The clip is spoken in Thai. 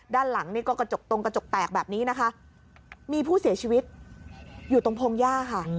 ด้านหลังนี่ก็กระจกตรงกระจกแตกแบบนี้นะคะมีผู้เสียชีวิตอยู่ตรงพงหญ้าค่ะ